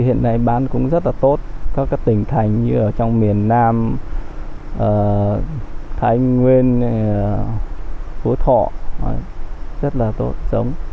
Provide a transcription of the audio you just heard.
hiện nay bán cũng rất là tốt các tỉnh thành như ở trong miền nam thái nguyên phú thọ rất là tốt giống